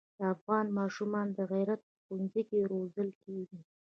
د افغان ماشومان د غیرت په ښونځي کې روزل کېږي.